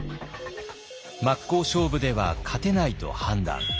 真っ向勝負では勝てないと判断。